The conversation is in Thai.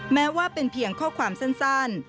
แม้ว่าเป็นเพียงข้อความสั้น